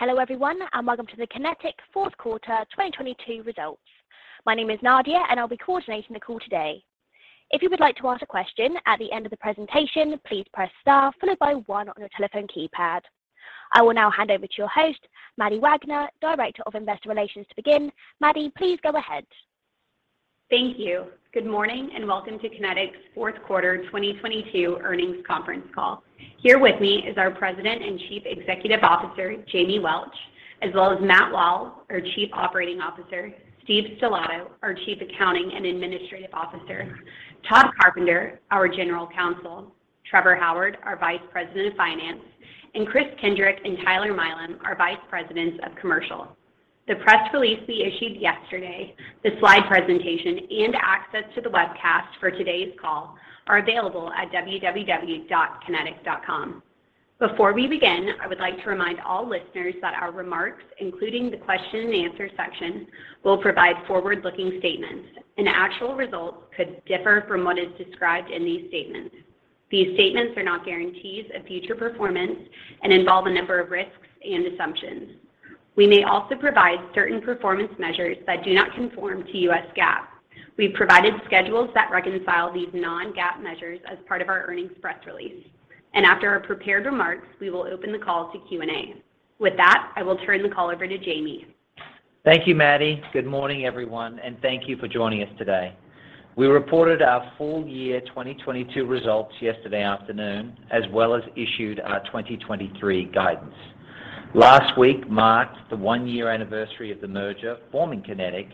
Hello everyone, welcome to the Kinetik fourth quarter 2022 results. My name is Nadia, I'll be coordinating the call today. If you would like to ask a question at the end of the presentation, please press Star followed by one on your telephone keypad. I will now hand over to your host, Maddie Wagner, Director of Investor Relations to begin. Maddie, please go ahead. Thank you. Good morning and welcome to Kinetik's fourth quarter 2022 earnings conference call. Here with me is our President and Chief Executive Officer, Jamie Welch, as well as Matt Wall, our Chief Operating Officer, Steven Stellato, our Chief Accounting and Administrative Officer, Todd Carpenter, our General Counsel, Trevor Howard, our Vice President of Finance, and Kris Kindrick and Tyler Milam, our Vice Presidents of Commercial. The press release we issued yesterday, the slide presentation and access to the webcast for today's call are available at www.kinetik.com. Before we begin, I would like to remind all listeners that our remarks, including the question and answer section, will provide forward-looking statements, and actual results could differ from what is described in these statements. These statements are not guarantees of future performance and involve a number of risks and assumptions. We may also provide certain performance measures that do not conform to US GAAP. We've provided schedules that reconcile these non-GAAP measures as part of our earnings press release. After our prepared remarks, we will open the call to Q&A. With that, I will turn the call over to Jamie. Thank you, Maddie. Good morning, everyone, thank you for joining us today. We reported our full year 2022 results yesterday afternoon, as well as issued our 2023 guidance. Last week marked the one-year anniversary of the merger forming Kinetik.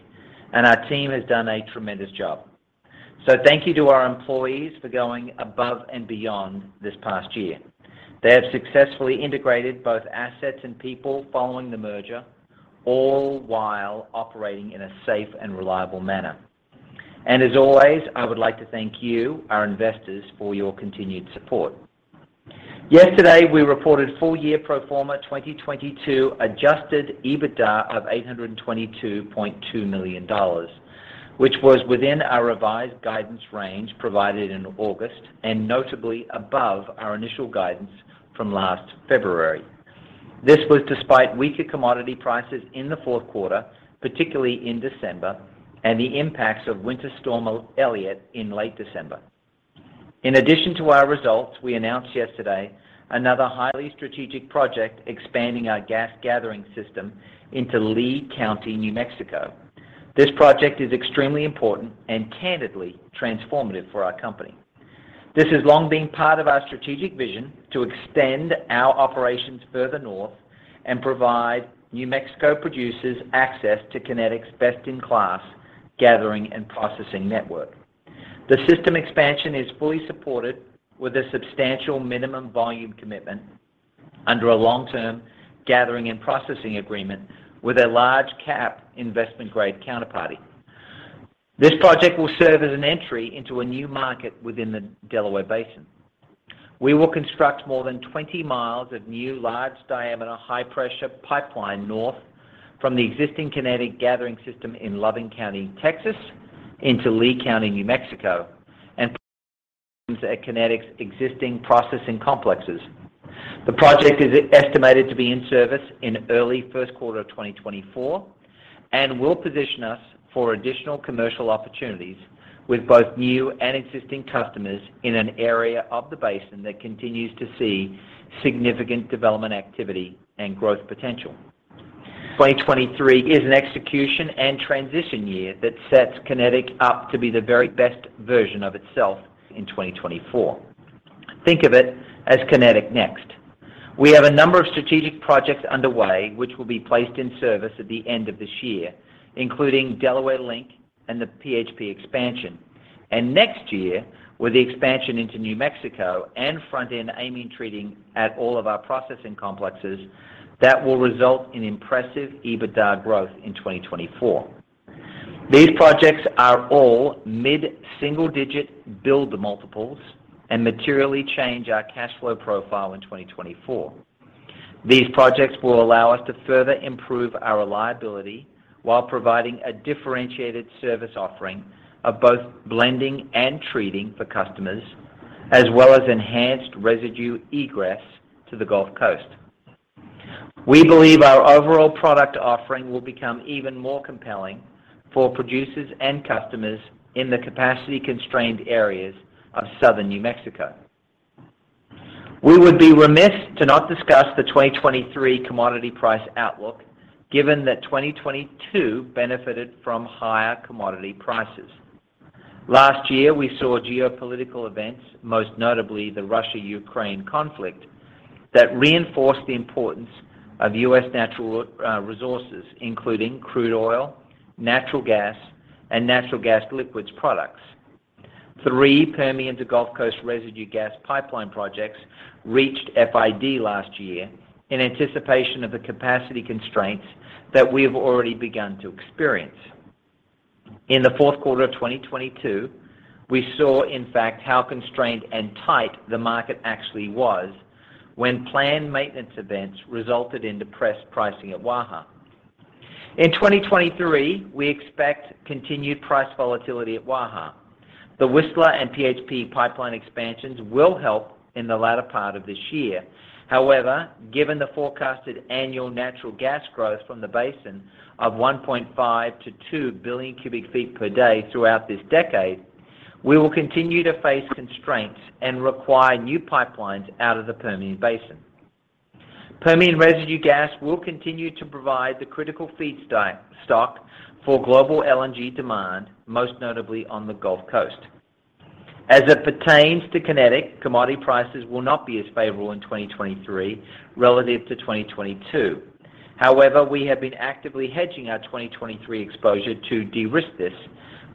Our team has done a tremendous job. Thank you to our employees for going above and beyond this past year. They have successfully integrated both assets and people following the merger, all while operating in a safe and reliable manner. As always, I would like to thank you, our investors, for your continued support. Yesterday, we reported full year pro forma 2022 adjusted EBITDA of $822.2 million, which was within our revised guidance range provided in August and notably above our initial guidance from last February. This was despite weaker commodity prices in the fourth quarter, particularly in December, and the impacts of Winter Storm Elliott in late December. In addition to our results, we announced yesterday another highly strategic project expanding our gas gathering system into Lea County, New Mexico. This project is extremely important and candidly transformative for our company. This has long been part of our strategic vision to extend our operations further north and provide New Mexico producers access to Kinetik's best-in-class gathering and processing network. The system expansion is fully supported with a substantial minimum volume commitment under a long-term gathering and processing agreement with a large cap investment-grade counterparty. This project will serve as an entry into a new market within the Delaware Basin. We will construct more than 20 miles of new large diameter high pressure pipeline north from the existing Kinetik Gathering System in Loving County, Texas, into Lea County, New Mexico, and at Kinetik's existing processing complexes. The project is estimated to be in service in early first quarter of 2024 and will position us for additional commercial opportunities with both new and existing customers in an area of the basin that continues to see significant development activity and growth potential. 2023 is an execution and transition year that sets Kinetik up to be the very best version of itself in 2024. Think of it as Kinetik next. We have a number of strategic projects underway which will be placed in service at the end of this year, including Delaware Link and the PHP expansion. Next year, with the expansion into New Mexico and front-end amine treating at all of our processing complexes that will result in impressive EBITDA growth in 2024. These projects are all mid-single digit build multiples and materially change our cash flow profile in 2024. These projects will allow us to further improve our reliability while providing a differentiated service offering of both blending and treating for customers, as well as enhanced residue egress to the Gulf Coast. We believe our overall product offering will become even more compelling for producers and customers in the capacity-constrained areas of southern New Mexico. We would be remiss to not discuss the 2023 commodity price outlook given that 2022 benefited from higher commodity prices. Last year, we saw geopolitical events, most notably the Russia-Ukraine conflict, that reinforced the importance of U.S. natural resources, including crude oil, natural gas, and natural gas liquids products. Three Permian to Gulf Coast residue gas pipeline projects reached FID last year in anticipation of the capacity constraints that we have already begun to experience. In the fourth quarter of 2022, we saw in fact how constrained and tight the market actually was when planned maintenance events resulted in depressed pricing at Waha. In 2023, we expect continued price volatility at Waha. The Whistler and PHP pipeline expansions will help in the latter part of this year. However, given the forecasted annual natural gas growth from the basin of 1.5 to 2 Bcf per day throughout this decade, we will continue to face constraints and require new pipelines out of the Permian Basin. Permian residue gas will continue to provide the critical feedstock for global LNG demand, most notably on the Gulf Coast. As it pertains to Kinetik, commodity prices will not be as favorable in 2023 relative to 2022. However, we have been actively hedging our 2023 exposure to de-risk this,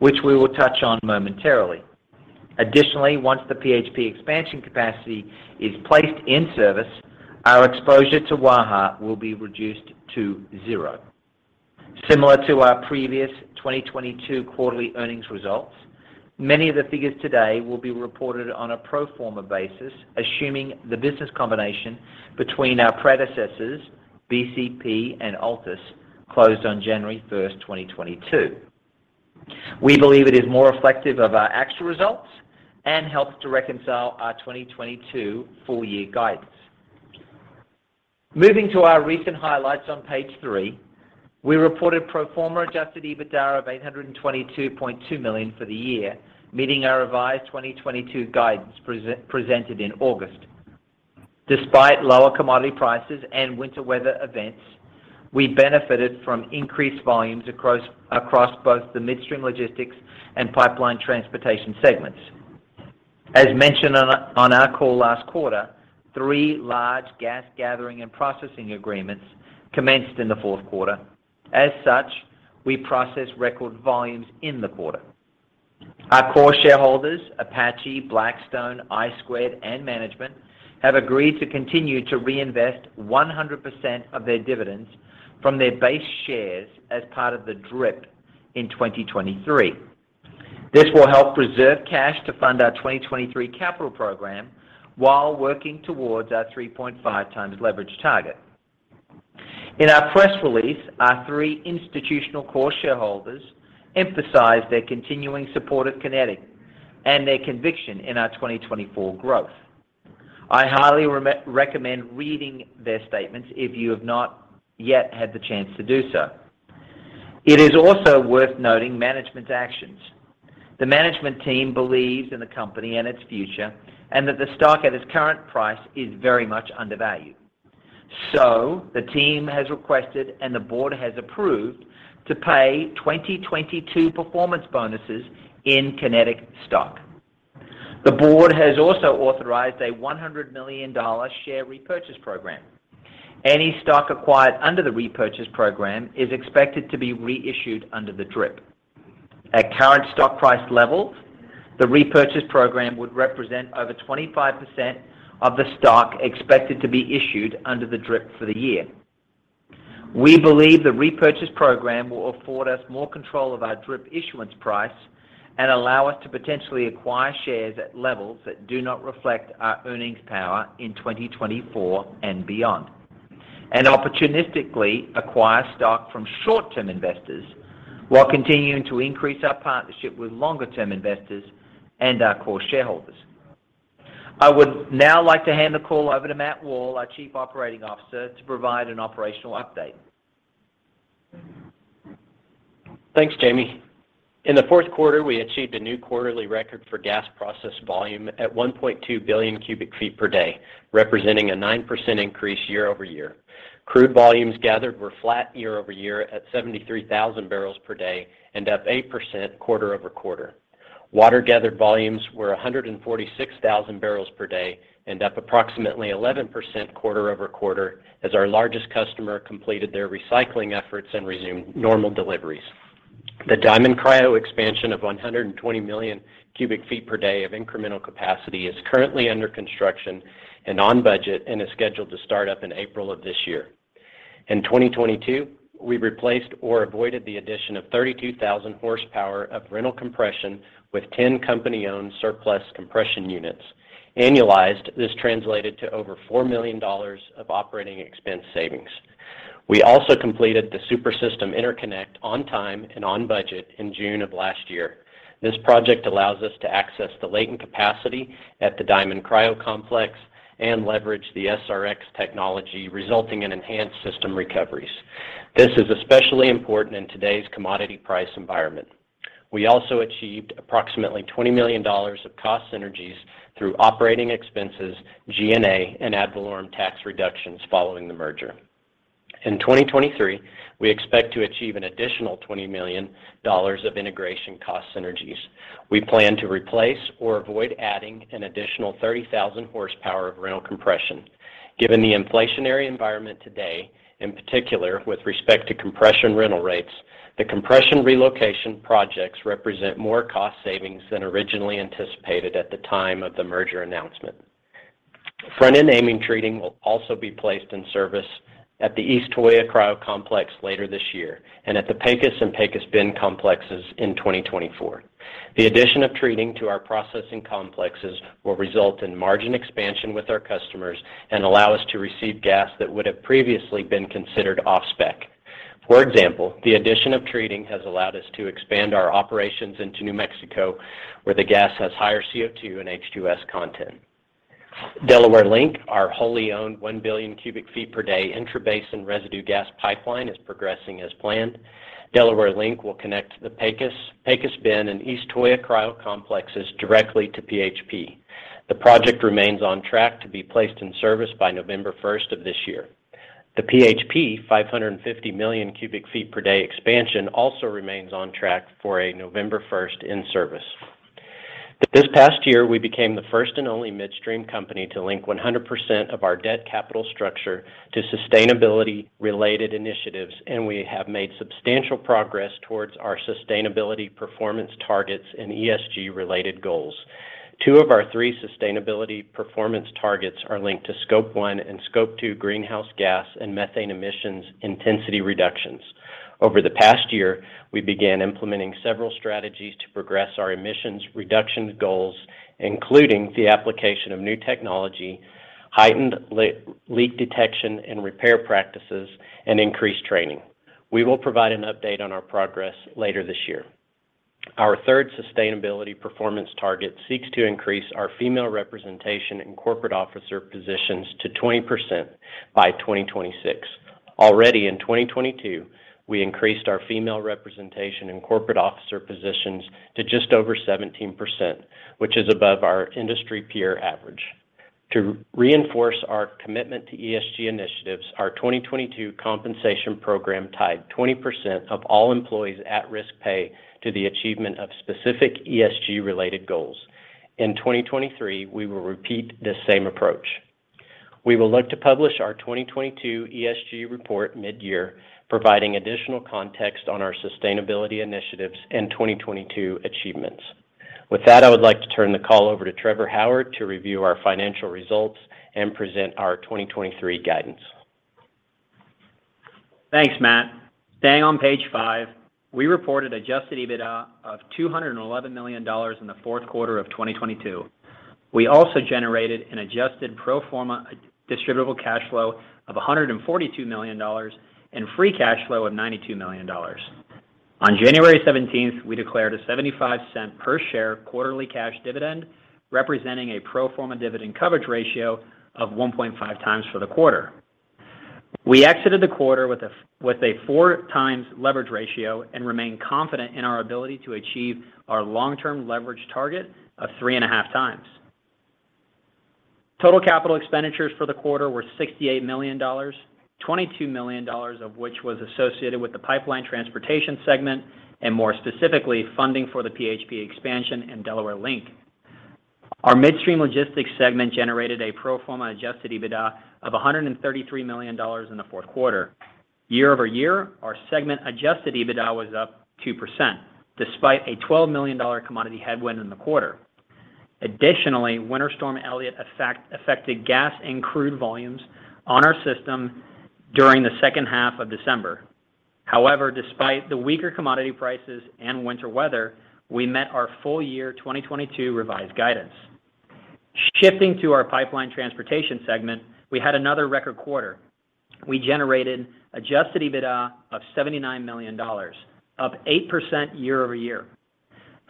which we will touch on momentarily. Additionally, once the PHP expansion capacity is placed in service, our exposure to Waha will be reduced to zero. Similar to our previous 2022 quarterly earnings results, many of the figures today will be reported on a pro forma basis, assuming the business combination between our predecessors, BCP and Altus, closed on January first, 2022. We believe it is more reflective of our actual results and helps to reconcile our 2022 full year guidance. Moving to our recent highlights on page three, we reported pro forma adjusted EBITDA of $822.2 million for the year, meeting our revised 2022 guidance presented in August. Despite lower commodity prices and winter weather events, we benefited from increased volumes across both the midstream logistics and pipeline transportation segments. As mentioned on our call last quarter, three large gas gathering and processing agreements commenced in the fourth quarter. As such, we processed record volumes in the quarter. Our core shareholders, Apache, Blackstone, I Squared, and management, have agreed to continue to reinvest 100% of their dividends from their base shares as part of the DRIP in 2023. This will help preserve cash to fund our 2023 capital program while working towards our 3.5x leverage target. In our press release, our three institutional core shareholders emphasized their continuing support of Kinetik and their conviction in our 2024 growth. I highly recommend reading their statements if you have not yet had the chance to do so. It is also worth noting management's actions. The management team believes in the company and its future, and that the stock at its current price is very much undervalued. The team has requested and the board has approved to pay 2022 performance bonuses in Kinetik stock. The board has also authorized a $100 million share repurchase program. Any stock acquired under the repurchase program is expected to be reissued under the DRIP. At current stock price levels, the repurchase program would represent over 25% of the stock expected to be issued under the DRIP for the year. We believe the repurchase program will afford us more control of our DRIP issuance price and allow us to potentially acquire shares at levels that do not reflect our earnings power in 2024 and beyond, and opportunistically acquire stock from short-term investors while continuing to increase our partnership with longer-term investors and our core shareholders. I would now like to hand the call over to Matt Wall, our Chief Operating Officer, to provide an operational update. Thanks, Jamie. In the fourth quarter, we achieved a new quarterly record for gas processed volume at 1.2 Bcf per day, representing a 9% increase year-over-year. Crude volumes gathered were flat year-over-year at 73,000 barrels per day and up 8% quarter-over-quarter. Water gathered volumes were 146,000 barrels per day and up approximately 11% quarter-over-quarter as our largest customer completed their recycling efforts and resumed normal deliveries. The Diamond Cryo expansion of 120 million cubic feet per day of incremental capacity is currently under construction and on budget and is scheduled to start up in April of this year. In 2022, we replaced or avoided the addition of 32,000 horsepower of rental compression with 10 company-owned surplus compression units. Annualized, this translated to over $4 million of operating expense savings. We also completed the super-system interconnect on time and on budget in June of last year. This project allows us to access the latent capacity at the Diamond Cryo complex and leverage the SRX technology, resulting in enhanced system recoveries. This is especially important in today's commodity price environment. We also achieved approximately $20 million of cost synergies through operating expenses, G&A, and ad valorem tax reductions following the merger. In 2023, we expect to achieve an additional $20 million of integration cost synergies. We plan to replace or avoid adding an additional 30,000 horsepower of rental compression. Given the inflationary environment today, in particular with respect to compression rental rates, the compression relocation projects represent more cost savings than originally anticipated at the time of the merger announcement. Front-end amine treating will also be placed in service at the East Toyah Cryo Complex later this year, at the Pecos and Pecos Bend complexes in 2024. The addition of treating to our processing complexes will result in margin expansion with our customers and allow us to receive gas that would have previously been considered off-spec. For example, the addition of treating has allowed us to expand our operations into New Mexico, where the gas has higher CO₂ and H₂S content. Delaware Link, our wholly owned one Bcf per day intrabasin residue gas pipeline, is progressing as planned. Delaware Link will connect the Pecos Bend, and East Toyah Cryo complexes directly to PHP. The project remains on track to be placed in service by November 1 of this year. The PHP 550 million cubic feet per day expansion also remains on track for a November first in-service. This past year, we became the first and only midstream company to link 100% of our debt capital structure to sustainability related initiatives, and we have made substantial progress towards our sustainability performance targets and ESG related goals. two of our three sustainability performance targets are linked to Scope one and Scope two greenhouse gas and methane emissions intensity reductions. Over the past year, we began implementing several strategies to progress our emissions reduction goals, including the application of new technology, heightened leak detection and repair practices, and increased training. We will provide an update on our progress later this year. Our third sustainability performance target seeks to increase our female representation in corporate officer positions to 20% by 2026. Already in 2022, we increased our female representation in corporate officer positions to just over 17%, which is above our industry peer average. To reinforce our commitment to ESG initiatives, our 2022 compensation program tied 20% of all employees at-risk pay to the achievement of specific ESG related goals. In 2023, we will repeat this same approach. We will look to publish our 2022 ESG report mid-year, providing additional context on our sustainability initiatives and 2022 achievements. With that, I would like to turn the call over to Trevor Howard to review our financial results and present our 2023 guidance. Thanks, Matt. Staying on page five, we reported adjusted EBITDA of $211 million in the fourth quarter of 2022. We also generated an adjusted pro forma distributable cash flow of $142 million and free cash flow of $92 million. On January 17th, we declared a $0.75 per share quarterly cash dividend, representing a pro forma dividend coverage ratio of 1.5 times for the quarter. We exited the quarter with a four times leverage ratio and remain confident in our ability to achieve our long-term leverage target of 3.5 times. Total capital expenditures for the quarter were $68 million, $22 million of which was associated with the pipeline transportation segment and more specifically, funding for the PHP expansion in Delaware Link. Our midstream logistics segment generated a pro forma adjusted EBITDA of $133 million in the fourth quarter. Year-over-year, our segment adjusted EBITDA was up 2% despite a $12 million commodity headwind in the quarter. Winter Storm Elliott affected gas and crude volumes on our system during the second half of December. Despite the weaker commodity prices and winter weather, we met our full year 2022 revised guidance. Shifting to our pipeline transportation segment, we had another record quarter. We generated adjusted EBITDA of $79 million, up 8% year-over-year.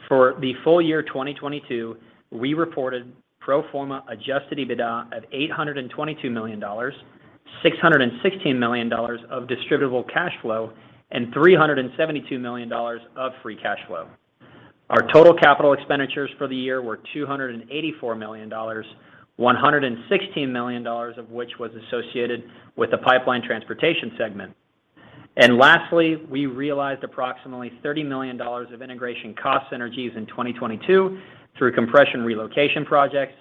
For the full year 2022, we reported pro forma adjusted EBITDA of $822 million, $616 million of distributable cash flow and $372 million of free cash flow. Our total capital expenditures for the year were $284 million, $116 million of which was associated with the pipeline transportation segment. Lastly, we realized approximately $30 million of integration cost synergies in 2022 through compression relocation projects,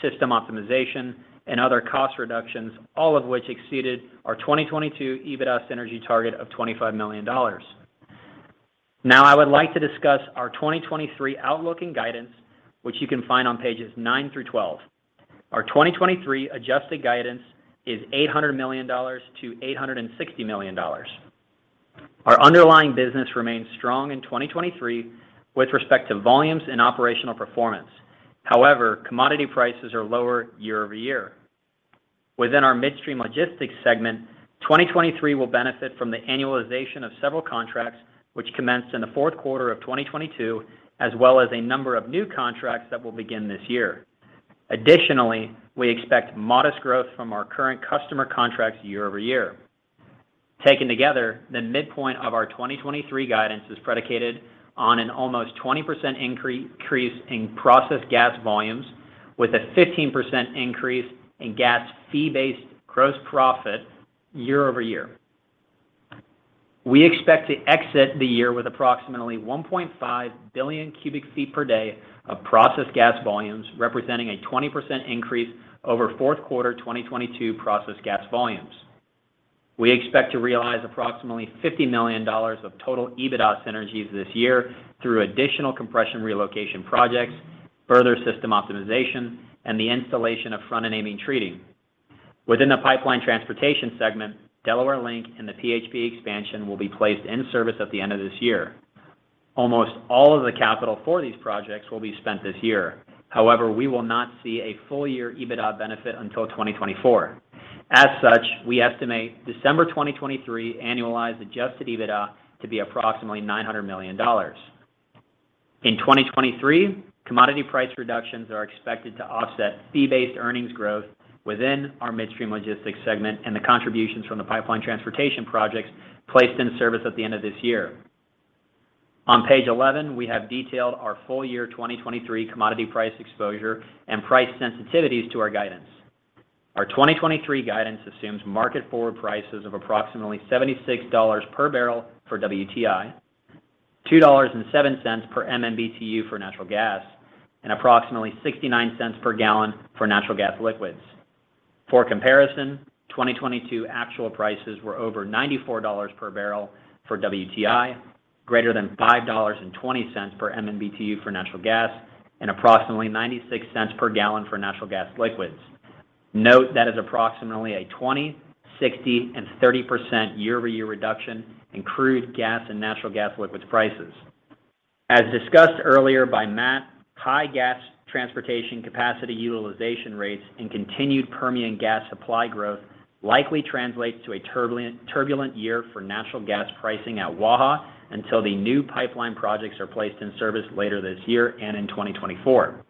system optimization and other cost reductions, all of which exceeded our 2022 EBITDA synergy target of $25 million. I would like to discuss our 2023 outlook and guidance, which you can find on pages 9-12. Our 2023 adjusted guidance is $800 million-$860 million. Our underlying business remains strong in 2023 with respect to volumes and operational performance. However, commodity prices are lower year-over-year. Within our midstream logistics segment, 2023 will benefit from the annualization of several contracts which commenced in the fourth quarter of 2022 as well as a number of new contracts that will begin this year. Additionally, we expect modest growth from our current customer contracts year-over-year. Taken together, the midpoint of our 2023 guidance is predicated on an almost 20% increase in processed gas volumes with a 15% increase in gas fee-based gross profit year-over-year. We expect to exit the year with approximately 1.5 billion cubic feet per day of processed gas volumes, representing a 20% increase over fourth quarter 2022 processed gas volumes. We expect to realize approximately $50 million of total EBITDA synergies this year through additional compression relocation projects, further system optimization and the installation of front-end amine treating. Within the pipeline transportation segment, Delaware Link and the PHP expansion will be placed in service at the end of this year. Almost all of the capital for these projects will be spent this year. However, we will not see a full year EBITDA benefit until 2024. As such, we estimate December 2023 annualized adjusted EBITDA to be approximately $900 million. In 2023, commodity price reductions are expected to offset fee-based earnings growth within our midstream logistics segment and the contributions from the pipeline transportation projects placed in service at the end of this year. On page 11, we have detailed our full year 2023 commodity price exposure and price sensitivities to our guidance. Our 2023 guidance assumes market forward prices of approximately $76 per barrel for WTI, $2.07 per MMBtu for natural gas, and approximately $0.69 per gallon for natural gas liquids. For comparison, 2022 actual prices were over $94 per barrel for WTI, greater than $5.20 per MMBtu for natural gas, and approximately $0.96 per gallon for natural gas liquids. Note, that is approximately a 20%, 60%, and 30% year-over-year reduction in crude gas and natural gas liquids prices. As discussed earlier by Matt, high gas transportation capacity utilization rates and continued Permian gas supply growth likely translates to a turbulent year for natural gas pricing at Waha until the new pipeline projects are placed in service later this year and in 2024.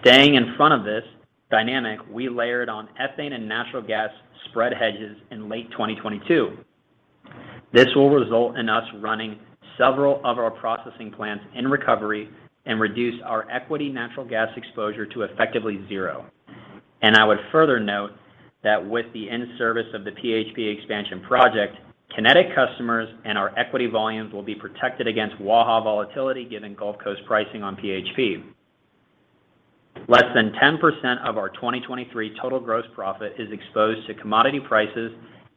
Staying in front of this dynamic, we layered on ethane and natural gas spread hedges in late 2022. This will result in us running several of our processing plants in recovery and reduce our equity natural gas exposure to effectively zero. I would further note that with the in-service of the PHP expansion project, Kinetik customers and our equity volumes will be protected against Waha volatility, given Gulf Coast pricing on PHP. Less than 10% of our 2023 total gross profit is exposed to commodity prices,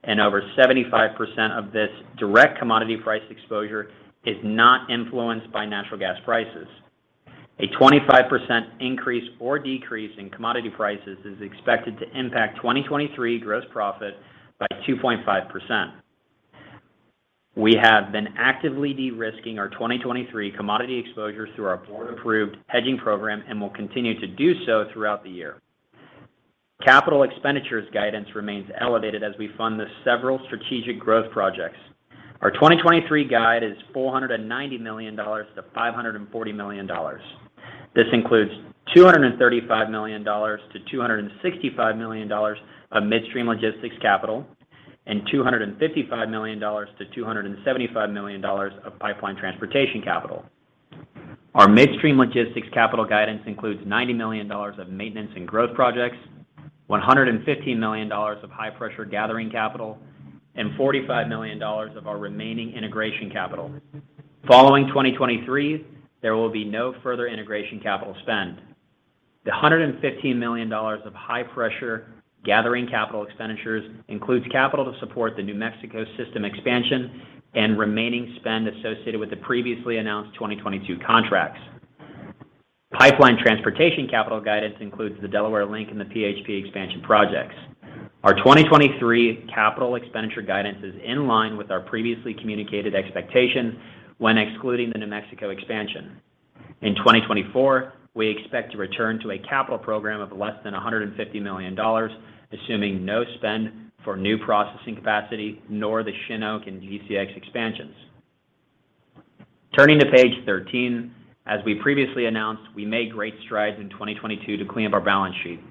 and over 75% of this direct commodity price exposure is not influenced by natural gas prices. A 25% increase or decrease in commodity prices is expected to impact 2023 gross profit by 2.5%. We have been actively de-risking our 2023 commodity exposures through our board-approved hedging program and will continue to do so throughout the year. Capital expenditures guidance remains elevated as we fund the several strategic growth projects. Our 2023 guide is $490 million-$540 million. This includes $235 million-$265 million of midstream logistics capital and $255 million-$275 million of pipeline transportation capital. Our midstream logistics capital guidance includes $90 million of maintenance and growth projects, $115 million of high-pressure gathering capital, and $45 million of our remaining integration capital. Following 2023, there will be no further integration capital spend. The $115 million of high-pressure gathering capital expenditures includes capital to support the New Mexico system expansion and remaining spend associated with the previously announced 2022 contracts. Pipeline transportation capital guidance includes the Delaware Link and the PHP expansion projects. Our 2023 capital expenditure guidance is in line with our previously communicated expectations when excluding the New Mexico expansion. In 2024, we expect to return to a capital program of less than $150 million, assuming no spend for new processing capacity nor the Shin Oak and GCX expansions. Turning to page 13, as we previously announced, we made great strides in 2022 to clean up our balance sheet.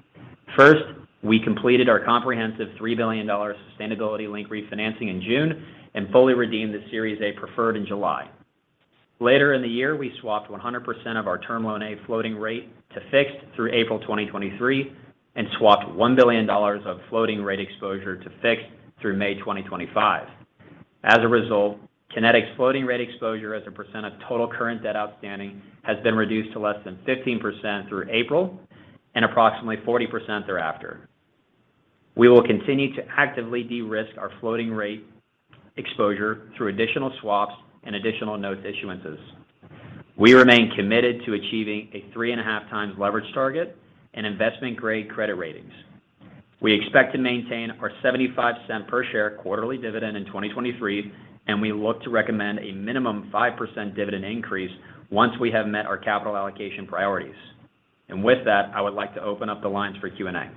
First, we completed our comprehensive $3 billion sustainability-linked refinancing in June and fully redeemed the Series A preferred in July. Later in the year, we swapped 100% of our term loan A floating rate to fixed through April 2023 and swapped $1 billion of floating rate exposure to fixed through May 2025. As a result, Kinetik's floating rate exposure as a percent of total current debt outstanding has been reduced to less than 15% through April and approximately 40% thereafter. We will continue to actively de-risk our floating rate exposure through additional swaps and additional notes issuances. We remain committed to achieving a 3.5x leverage target and investment-grade credit ratings. We expect to maintain our $0.75 per share quarterly dividend in 2023, and we look to recommend a minimum 5% dividend increase once we have met our capital allocation priorities. With that, I would like to open up the lines for Q&A.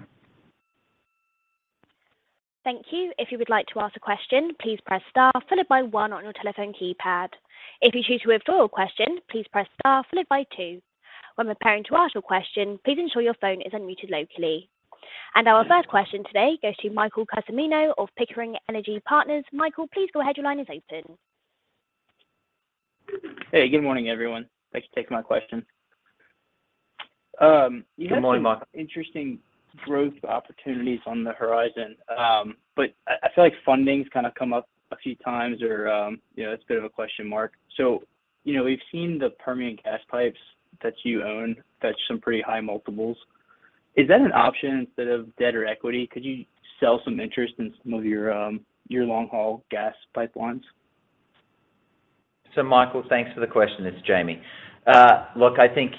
Thank you. If you would like to ask a question, please press star followed by 1 on your telephone keypad. If you choose to withdraw your question, please press star followed by 2. When preparing to ask your question, please ensure your phone is unmuted locally. Our first question today goes to Michael Cusimano of Pickering Energy Partners. Michael, please go ahead. Your line is open. Good morning, Michael. Interesting growth opportunities on the horizon, I feel like funding's kind of come up a few times or, you know, it's a bit of a question mark. You know, we've seen the Permian gas pipes that you own fetch some pretty high multiples. Is that an option instead of debt or equity? Could you sell some interest in some of your long-haul gas pipelines? Michael Cusimano, thanks for the question. It's Jamie. Look, I think,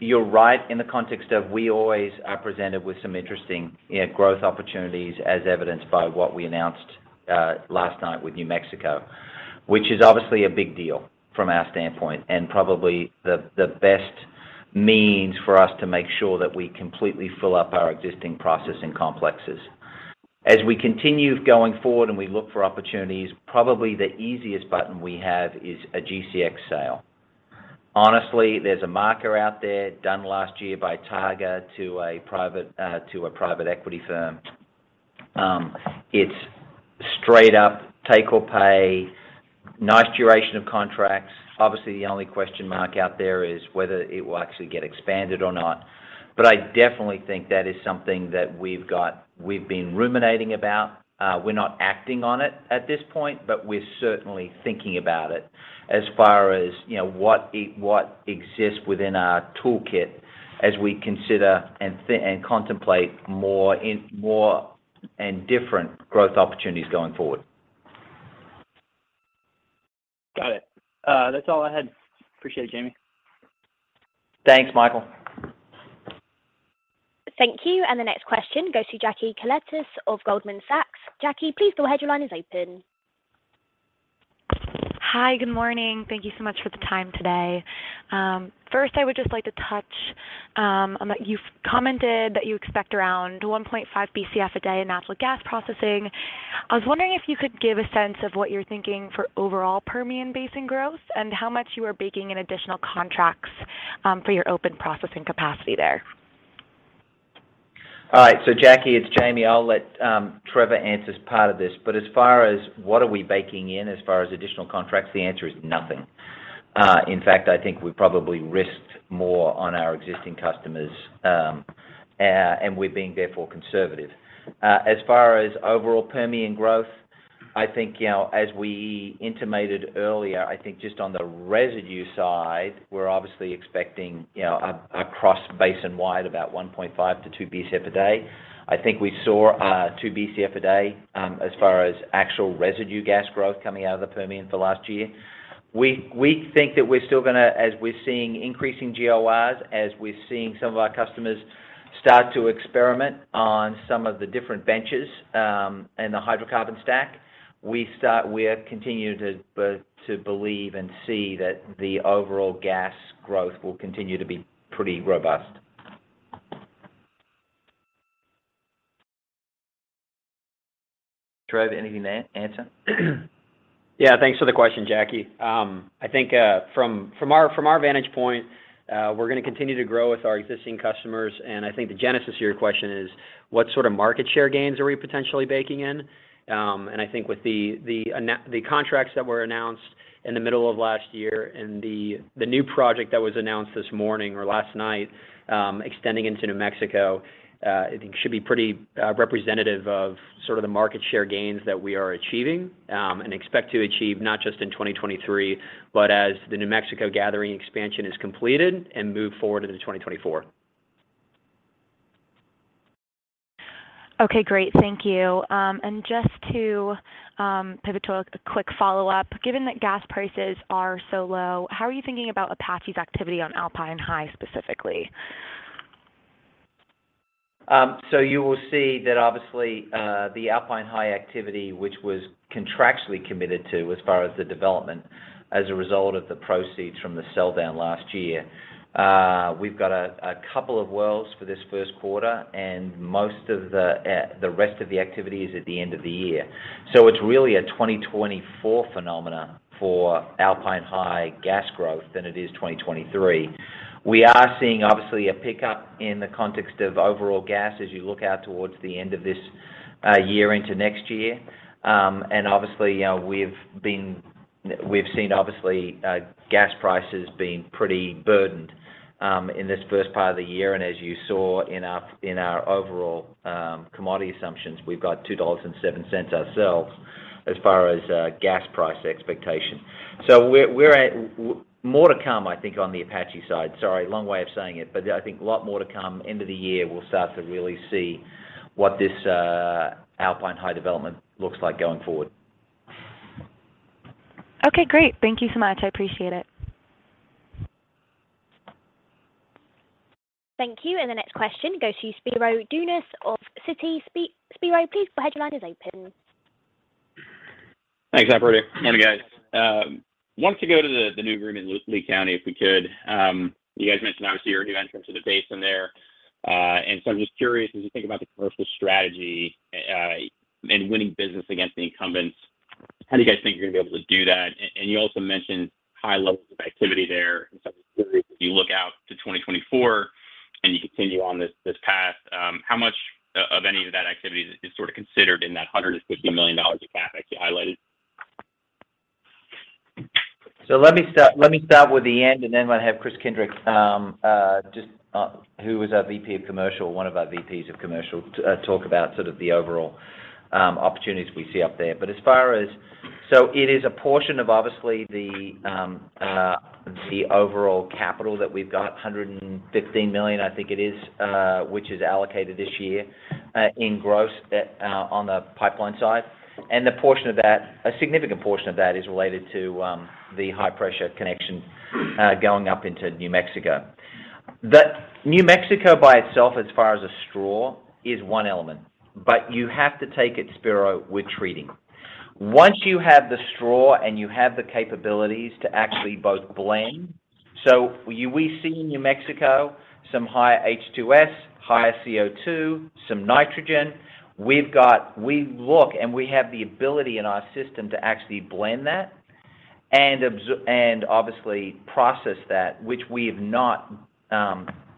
you're right in the context of we always are presented with some interesting, you know, growth opportunities as evidenced by what we announced last night with New Mexico. Which is obviously a big deal from our standpoint, and probably the best means for us to make sure that we completely fill up our existing processing complexes. As we continue going forward and we look for opportunities, probably the easiest button we have is a GCX sale. Honestly, there's a marker out there done last year by Targa to a private to a private equity firm. It's straight up take or pay, nice duration of contracts. Obviously, the only question mark out there is whether it will actually get expanded or not. I definitely think that is something that we've been ruminating about. We're not acting on it at this point, but we're certainly thinking about it as far as, you know, what exists within our toolkit as we consider and contemplate more and different growth opportunities going forward. Got it. That's all I had. Appreciate it, Jamie. Thanks, Michael. Thank you. The next question goes to Jacqueline Koletas of Goldman Sachs. Jacky, please go ahead, your line is open. Hi. Good morning. Thank you so much for the time today. First I would just like to touch on that you've commented that you expect around 1.5 Bcf a day in natural gas processing. I was wondering if you could give a sense of what you're thinking for overall Permian Basin growth and how much you are baking in additional contracts for your open processing capacity there. All right. Jacqueline Koletas, it's Jamie Welch. I'll let Trevor Howard answer as part of this. As far as what are we baking in as far as additional contracts, the answer is nothing. In fact, I think we probably risked more on our existing customers, and we're being therefore conservative. As far as overall Permian growth, I think, you know, as we intimated earlier, I think just on the residue side, we're obviously expecting, you know, across basin-wide about 1.5-2 Bcf a day. I think we saw two Bcf a day as far as actual residue gas growth coming out of the Permian for last year. We think that we're still going to, as we're seeing increasing GORs, as we're seeing some of our customers start to experiment on some of the different benches, and the hydrocarbon stack, we have continued to believe and see that the overall gas growth will continue to be pretty robust. Trevor, anything to answer? Yeah. Thanks for the question, Jacky Koletas. I think from our vantage point, we're gonna continue to grow with our existing customers, and I think the genesis of your question is, what sort of market share gains are we potentially baking in? I think with the contracts that were announced in the middle of last year and the new project that was announced this morning or last night, extending into New Mexico, I think should be pretty representative of sort of the market share gains that we are achieving and expect to achieve not just in 2023, but as the New Mexico gathering expansion is completed and move forward into 2024. Okay, great. Thank you. Just to pivot to a quick follow-up. Given that gas prices are so low, how are you thinking about Apache's activity on Alpine High specifically? You will see that obviously, the Alpine High activity, which was contractually committed to as far as the development as a result of the proceeds from the sell down last year, we've got 2 wells for this 1st quarter and most of the rest of the activity is at the end of the year. It's really a 2024 phenomena for Alpine High gas growth than it is 2023. We are seeing obviously a pickup in the context of overall gas as you look out towards the end of this year into next year. Obviously, you know, we've seen obviously, gas prices being pretty burdened in this 1st part of the year. As you saw in our, in our overall commodity assumptions, we've got $2.07 ourselves as far as gas price expectation. We're at more to come, I think, on the Apache side. Sorry, long way of saying it, but I think a lot more to come. End of the year, we'll start to really see what this Alpine High development looks like going forward. Okay, great. Thank you so much. I appreciate it. Thank you. The next question goes to Spiro Dounis of Citi. Spiro, please, go ahead. Your line is open. Thanks, operator. Morning, guys. Wanted to go to the new agreement in Lea County, if we could. You guys mentioned obviously you're a new entrant to the basin there. I'm just curious, as you think about the commercial strategy, and winning business against the incumbents, how do you guys think you're gonna be able to do that? You also mentioned high levels of activity there. I'm just curious, as you look out to 2024 and you continue on this path, how much of any of that activity is sort of considered in that $150 million of CapEx you highlighted? Let me start with the end and then I'm gonna have Kris Kindrick, who is our VP of Commercial, one of our VPs of Commercial, talk about sort of the overall opportunities we see up there. It is a portion of obviously the overall capital that we've got, $115 million, I think it is, which is allocated this year in gross at on the pipeline side. A significant portion of that is related to the high pressure connection going up into New Mexico. The New Mexico by itself, as far as a straw, is one element, but you have to take it, Spiro, with treating. Once you have the straw and you have the capabilities to actually both blend. We see in New Mexico some higher H2S, higher CO2, some nitrogen. We look and we have the ability in our system to actually blend that and obviously process that, which we have not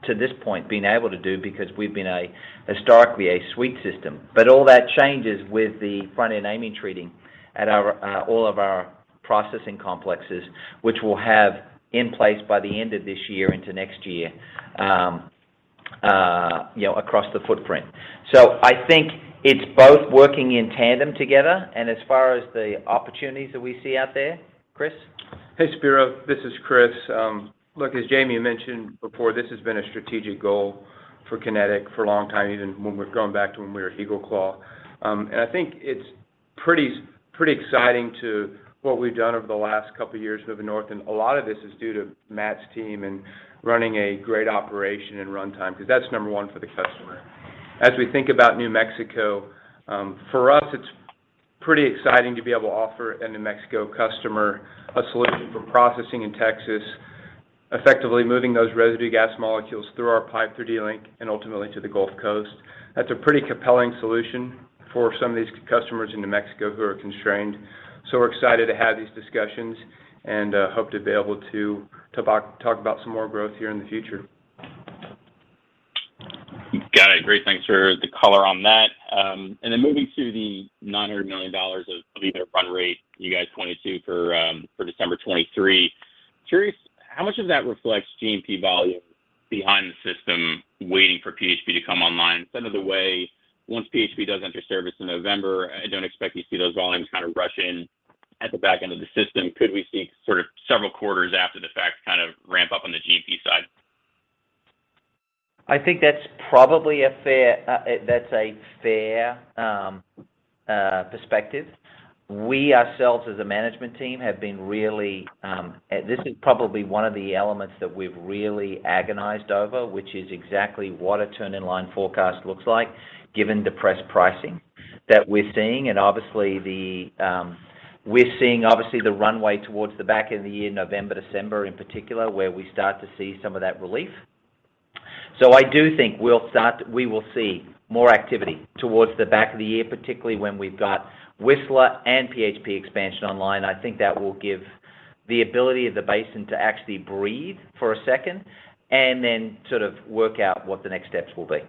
to this point been able to do because we've been a historically a sweet system. All that changes with the front-end amine treating at our all of our processing complexes, which we'll have in place by the end of this year into next year, you know, across the footprint. I think it's both working in tandem together and as far as the opportunities that we see out there, Kris. Hey, Spiro. This is Kris. Look, as Jamie mentioned before, this has been a strategic goal for Kinetik for a long time, even when we're going back to when we were EagleClaw Midstream. I think it's pretty exciting to what we've done over the last couple of years moving north. A lot of this is due to Matt's team and running a great operation in runtime because that's number one for the customer. As we think about New Mexico, for us, it's pretty exciting to be able to offer a New Mexico customer a solution for processing in Texas, effectively moving those residue gas molecules through our pipe Delaware Link and ultimately to the Gulf Coast. That's a pretty compelling solution for some of these customers in New Mexico who are constrained. We're excited to have these discussions and, hope to be able to, talk about some more growth here in the future. Got it. Great. Thanks for the color on that. Moving to the $900 million of EBITDA run rate you guys pointed to for December 2023. Curious how much of that reflects G&P volume behind the system waiting for PHP to come online some of the way once PHP does enter service in November, I don't expect to see those volumes kind of rush in at the back end of the system. Could we see sort of several quarters after the fact kind of ramp up on the G&P side? I think that's probably a fair perspective. We ourselves as a management team have been really, this is probably one of the elements that we've really agonized over, which is exactly what a turn in line forecast looks like, given the press pricing that we're seeing. Obviously the, we're seeing obviously the runway towards the back end of the year, November, December in particular, where we start to see some of that relief. I do think we will see more activity towards the back of the year, particularly when we've got Whistler and PHP expansion online. I think that will give the ability of the basin to actually breathe for a second and then sort of work out what the next steps will be.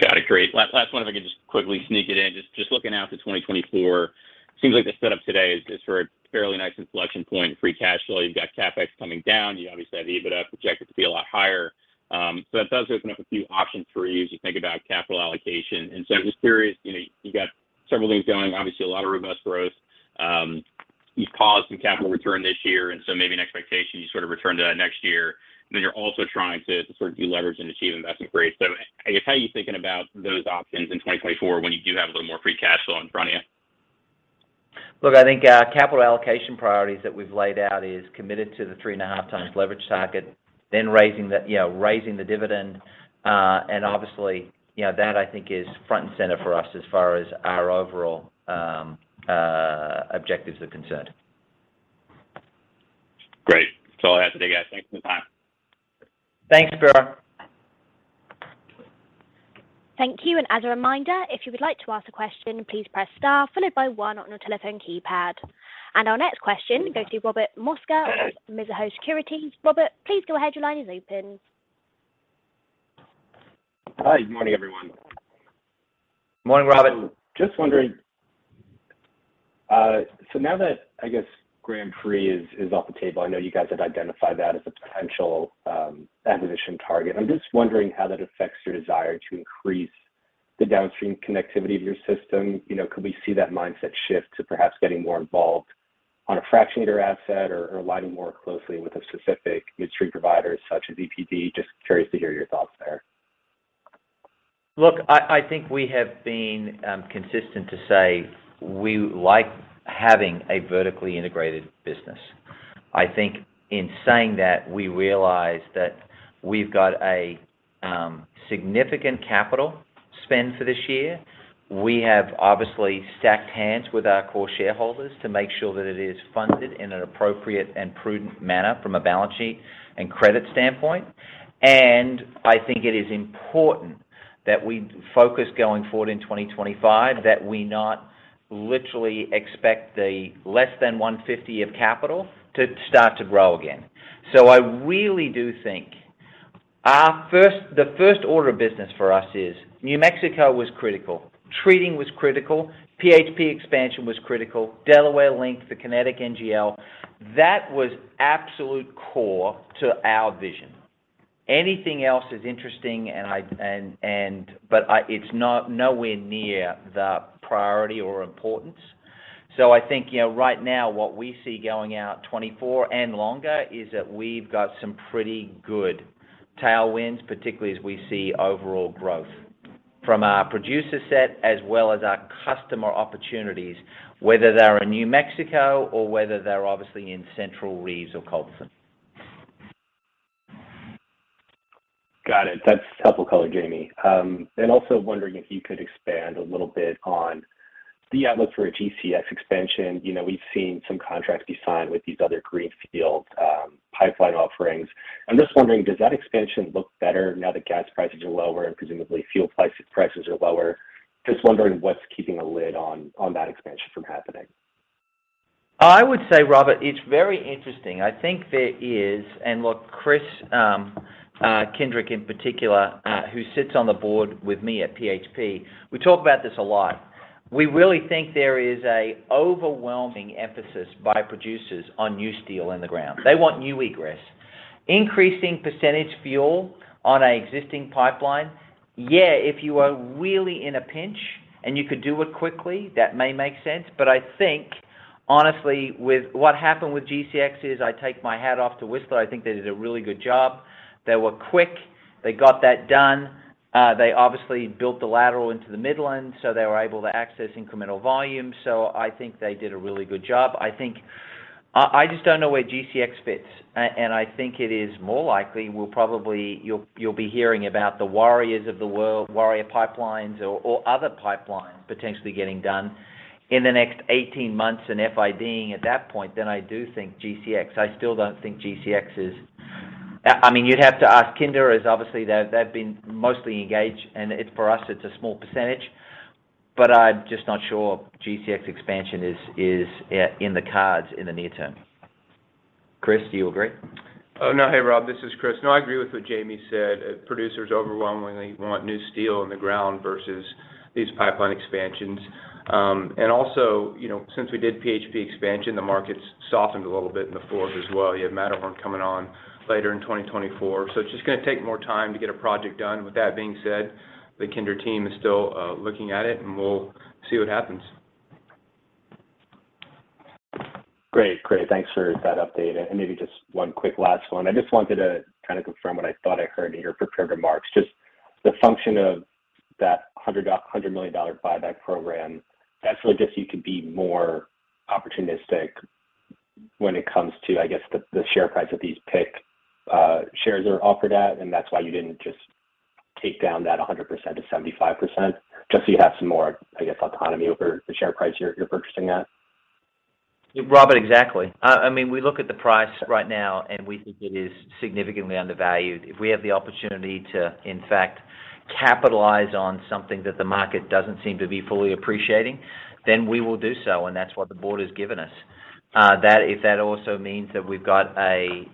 Got it. Great. Last one, if I could just quickly sneak it in. Just, just looking out to 2024, seems like the setup today is for a fairly nice inflection point in free cash flow. You've got CapEx coming down. You obviously have EBITDA projected to be a lot higher. That does open up a few options for you as you think about capital allocation. I'm just curious, you know, you got several things going, obviously a lot of robust growth. You've paused some capital return this year, maybe an expectation you sort of return to that next year. You're also trying to sort of deleverage and achieve investment-grade. I guess, how are you thinking about those options in 2024 when you do have a little more free cash flow in front of you? Look, I think, capital allocation priorities that we've laid out is committed to the 3.5 times leverage target, then raising the, you know, raising the dividend, and obviously, you know, that I think is front and center for us as far as our overall objectives are concerned. Great. That's all I have today, guys. Thanks for the time. Thanks, Spiro. Thank you. As a reminder, if you would like to ask a question, please press star followed by onw on your telephone keypad. Our next question goes to Robert Mosca of Mizuho Securities. Robert, please go ahead. Your line is open. Hi. Good morning, everyone. Morning, Robert. Just wondering, now that I guess Grand Prix is off the table, I know you guys have identified that as a potential acquisition target. I'm just wondering how that affects your desire to increase the downstream connectivity of your system. You know, could we see that mindset shift to perhaps getting more involved on a fractionator asset or aligning more closely with a specific midstream provider such as EPD? Just curious to hear your thoughts there? I think we have been consistent to say we like having a vertically integrated business. I think in saying that, we realize that we've got a significant capital spend for this year. We have obviously stacked hands with our core shareholders to make sure that it is funded in an appropriate and prudent manner from a balance sheet and credit standpoint. I think it is important that we focus going forward in 2025, that we not literally expect the less than $150 of capital to start to grow again. I really do think the first order of business for us is New Mexico was critical, treating was critical, PHP expansion was critical, Delaware Link for Kinetik NGL, that was absolute core to our vision. Anything else is interesting, but it's nowhere near the priority or importance. I think, you know, right now what we see going out 2024 and longer is that we've got some pretty good tailwinds, particularly as we see overall growth from our producer set as well as our customer opportunities, whether they're in New Mexico or whether they're obviously in Central Reeves or Culberson. Got it. That's helpful color, Jamie. Also wondering if you could expand a little bit on the outlook for a GCX expansion. You know, we've seen some contracts be signed with these other greenfield pipeline offerings. I'm just wondering, does that expansion look better now that gas prices are lower and presumably fuel prices are lower? Just wondering what's keeping a lid on that expansion from happening. I would say, Robert, it's very interesting. I think there is. Look, Kris Kindrick in particular, who sits on the board with me at PHP, we talk about this a lot. We really think there is a overwhelming emphasis by producers on new steel in the ground. They want new egress. Increasing percentage fuel on a existing pipeline, yeah, if you are really in a pinch and you could do it quickly, that may make sense. I think honestly with what happened with GCX is I take my hat off to Whistler. I think they did a really good job. They were quick. They got that done. They obviously built the lateral into the Midlands, they were able to access incremental volume. I think they did a really good job. I just don't know where GCX fits. I think it is more likely we'll probably you'll be hearing about the Warrior Pipelines of the world, Warrior Pipelines or other pipelines potentially getting done in the next 18 months and FID-ing at that point than I do think GCX. I still don't think GCX is. I mean, you'd have to ask Kinder as obviously they've been mostly engaged, and it, for us, it's a small percentage, but I'm just not sure GCX expansion is in the cards in the near term. Kris, do you agree? Oh, no. Hey, Rob, this is Chris. No, I agree with what Jamie said. Producers overwhelmingly want new steel in the ground versus these pipeline expansions. You know, since we did PHP expansion, the market's softened a little bit in the fourth as well. You have Matterhorn coming on later in 2024. It's just gonna take more time to get a project done. With that being said, the Kinder team is still looking at it, and we'll see what happens. Great. Great. Thanks for that update. Maybe just one quick last one. I just wanted to kind of confirm what I thought I heard in your prepared remarks, just the function of that $100 million buyback program. That's so just you could be more opportunistic when it comes to, I guess, the share price that these picked shares are offered at, and that's why you didn't just take down that 100% to 75%, just so you have some more, I guess, autonomy over the share price you're purchasing at? Robert, exactly. I mean, we look at the price right now, and we think it is significantly undervalued. If we have the opportunity to, in fact, capitalize on something that the market doesn't seem to be fully appreciating, then we will do so, and that's what the board has given us. That, if that also means that we've got a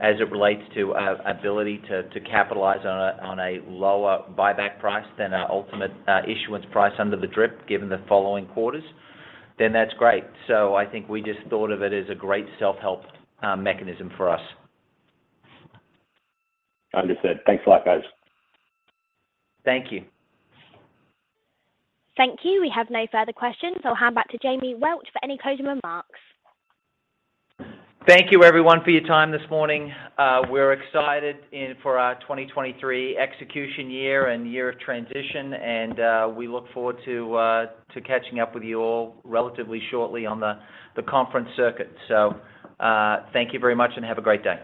as it relates to a ability to capitalize on a, on a lower buyback price than our ultimate issuance price under the DRIP given the following quarters, then that's great. I think we just thought of it as a great self-help mechanism for us. Understood. Thanks a lot, guys. Thank you. Thank you. We have no further questions. I'll hand back to Jamie Welch for any closing remarks. Thank you everyone for your time this morning. We're excited for our 2023 execution year and year of transition, and we look forward to catching up with you all relatively shortly on the conference circuit. Thank you very much and have a great day.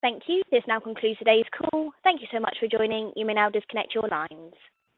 Thank you. This now concludes today's call. Thank you so much for joining. You may now disconnect your lines.